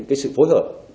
cái sự phối hợp